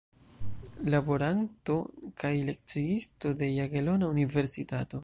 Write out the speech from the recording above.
Laboranto kaj lekciisto de Jagelona Universitato.